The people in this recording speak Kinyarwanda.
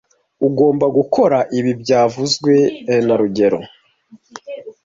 Ugomba gukora ibi byavuzwe na rugero